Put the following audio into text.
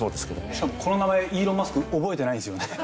しかもこの名前イーロン・マスク覚えてないんですよね。